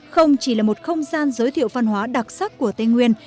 không chỉ là một không gian giới thiệu văn hóa đặc sắc của tây nguyên